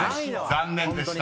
［残念でした］